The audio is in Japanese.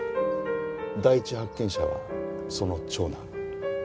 第一発見者はその長男。